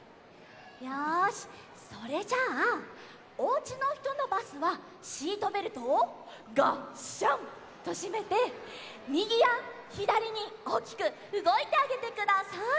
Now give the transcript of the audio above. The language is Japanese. よしそれじゃあおうちのひとのバスはシートベルトをガッシャンとしめてみぎやひだりにおおきくうごいてあげてください。